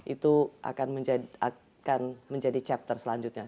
itu akan menjadi chapter selanjutnya